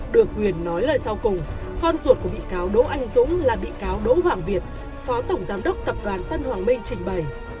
được quyền nói lời sau cùng con ruột của bị cáo đỗ anh dũng là bị cáo đỗ hoàng việt phó tổng giám đốc tập đoàn tân hoàng minh trình bày